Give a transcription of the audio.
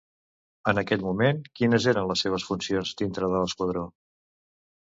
En aquell moment, quines eren les seves funcions dintre de l'esquadró?